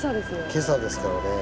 今朝ですからね。